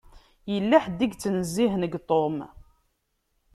Yella ḥedd i yettnezzihen deg Tom.